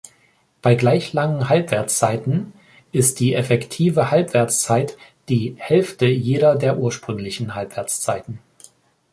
Bei gleich langen Halbwertszeiten ist die effektive Halbwertszeit die Hälfte jeder der ursprünglichen Halbwertszeiten.